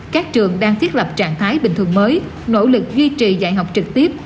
các trường đang thiết lập trạng thái bình thường mới nỗ lực duy trì dạy học trực tiếp